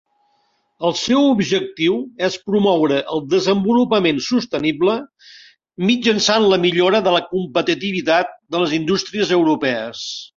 El seu objectiu és promoure el desenvolupament sostenible mitjançant la millora de la competitivitat de les indústries europees.